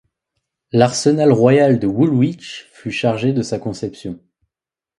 L'arsenal royal de Woolwich fut chargé de sa conception.